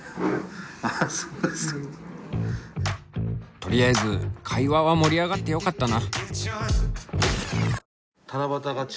とりあえず会話は盛り上がってよかったな。